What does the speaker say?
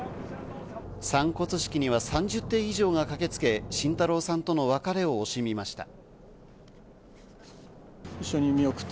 散骨式には３０艇以上が駆けつけ、慎太郎さんとの別れを惜しみました。